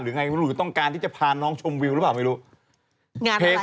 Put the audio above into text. หรือไม่รู้ต้องการที่จะพาน้องชมวิวล่ะเหรอครับ